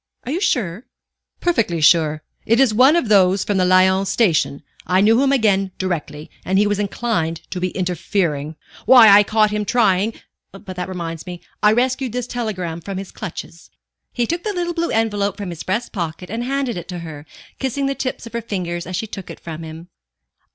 Are you sure?" "Perfectly sure. It is one of those from the Lyons Station. I knew him again directly, and he was inclined to be interfering. Why, I caught him trying but that reminds me I rescued this telegram from his clutches." He took the little blue envelope from his breast pocket and handed it to her, kissing the tips of her fingers as she took it from him.